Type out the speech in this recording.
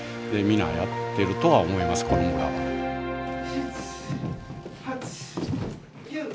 ７８９。